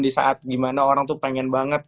di saat gimana orang tuh pengen berpikir kesana